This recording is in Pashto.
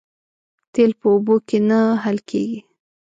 تیل په اوبو کې نه حل کېږي